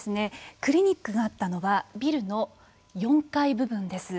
クリニックがあったのはビルの４階部分です。